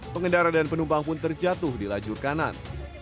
pengendara dan penumpang pun terjatuh di lajur kanan